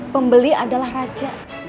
pembeli adalah raja